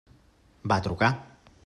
Va trucar.